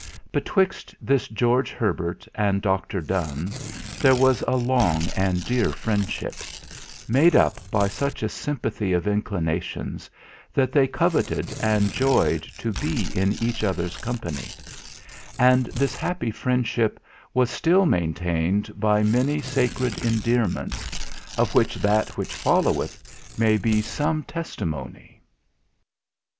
Betwixt this George Herbert and Dr. Donne, there was a long and dear friendship, made up by such a sympathy of inclinations that they coveted and joyed to be in each other's company; and this happy friendship was still maintained by many sacred endearments; of which that which followeth may be some testimony.